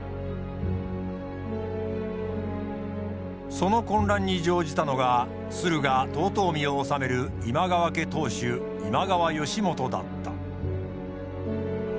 その混乱に乗じたのが駿河遠江を治める今川家当主今川義元だった。